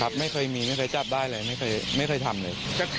ไม่เคยมีไม่เคยจับได้เลยไม่เคยทำเลย